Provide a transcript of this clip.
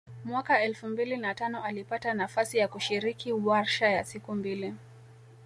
Mwaka elfu mbili na tano alipata nafasi ya kushiriki warsha ya siku mbili